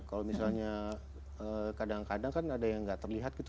kalau misalnya kadang kadang kan ada yang tidak terlihat